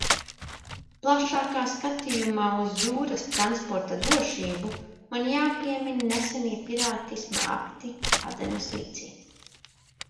Plašākā skatījumā uz jūras transporta drošību man jāpiemin nesenie pirātisma akti Adenas līcī.